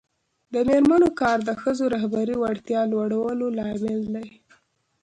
د میرمنو کار د ښځو رهبري وړتیا لوړولو لامل دی.